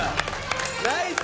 ナイス！